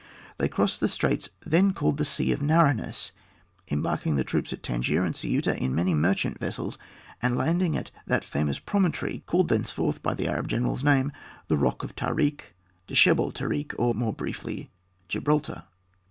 They crossed the straits then called the Sea of Narrowness, embarking the troops at Tangier and Ceute in many merchant vessels, and landing at that famous promontory called thenceforth by the Arab general's name, the Rock of Tarik, Dschebel Tarik, or, more briefly, Gibraltar.